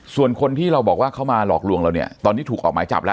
ส่วนคนที่เราบอกว่าเขามาหลอกลวงเราเนี่ยตอนนี้ถูกออกหมายจับแล้ว